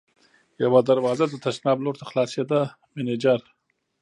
یوه دروازه د تشناب لور ته خلاصېده، مېنېجر.